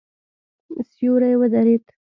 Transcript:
سیوری ودرېد.